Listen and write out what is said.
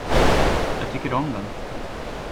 Jag tycker om den.